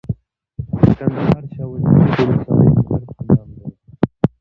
د کندهار شاولیکوټ ولسوالۍ انځر په نام دي.